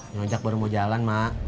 nyojak baru mau jalan mak